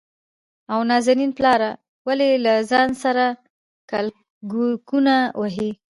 او نازنين پلاره ! ولې له ځان سره کلګکونه وهې؟